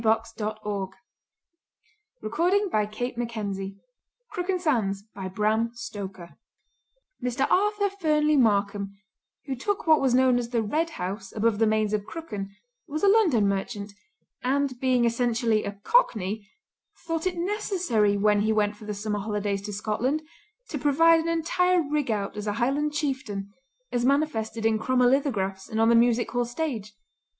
The white robe had now no stain from the hands that had put it on. Crooken Sands Mr Arthur Fernlee Markam, who took what was known as the Red House above the Mains of Crooken, was a London merchant, and being essentially a cockney, thought it necessary when he went for the summer holidays to Scotland to provide an entire rig out as a Highland chieftain, as manifested in chromolithographs and on the music hall stage.